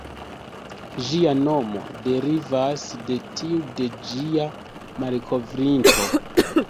Ĝia nomo derivas de tiu de ĝia malkovrinto.